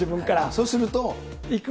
そうすると。